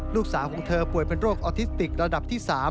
ลูกสาวของเธอป่วยเป็นโรคออทิสติกระดับที่๓